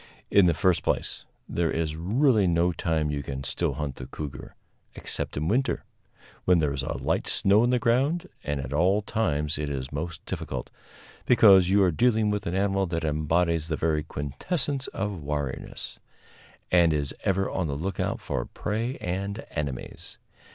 In the first place, there is really no time you can still hunt the cougar except in winter, when there is a light snow on the ground, and at all times it is most difficult, because you are dealing with an animal that embodies the very quintessence of wariness, and is ever on the lookout for prey and enemies.